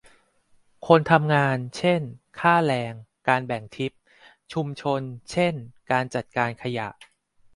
คนทำงานเช่น ค่าแรง การแบ่งทิป ชุมชนเช่น การจัดการขยะ